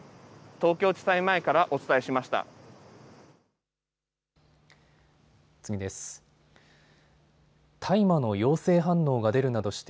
東京地裁前からお伝えしました。